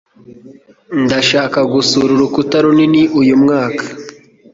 Ndashaka gusura Urukuta runini uyu mwaka